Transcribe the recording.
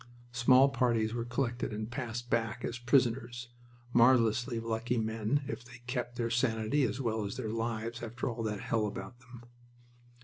Small parties were collected and passed back as prisoners marvelously lucky men if they kept their sanity as well as their lives after all that hell about them.